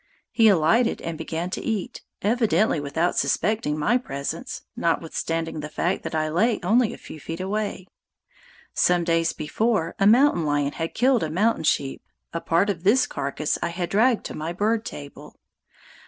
He alighted and began to eat, evidently without suspecting my presence, notwithstanding the fact that I lay only a few feet away. Some days before, a mountain lion had killed a mountain sheep; a part of this carcass I had dragged to my bird table.